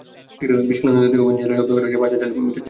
বিষখালী নদীতে অভিযান চালিয়ে জব্দ করা হয়েছে পাঁচ হাজার মিটার জাল।